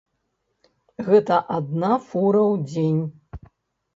Гэта адна фура ў дзень.